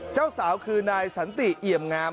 เจ้าสาวคือนายสันติเอี่ยมงาม